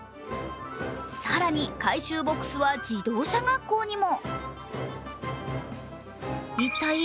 更に、回収ボックスは自動車学校にも。